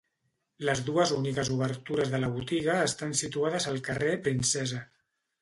Les dues úniques obertures de la botiga estan situades al carrer Princesa.